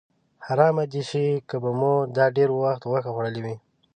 حرامه دې شي که به مو دا ډېر وخت غوښه خوړلې وي.